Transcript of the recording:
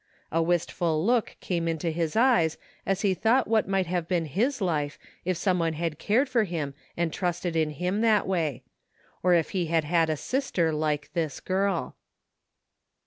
A wistful look came into his eyes as he thought what might have been his life if 73 THE FINDING OF JASPER HOLT someone had cared for him and trusted in him that way; or if he had had a sister like this girl.